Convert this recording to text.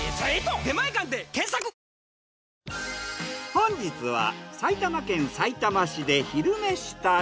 本日は埼玉県さいたま市で「昼めし旅」。